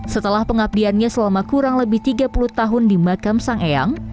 setelah pengabdiannya selama kurang lebih tiga puluh tahun di makam sang eyang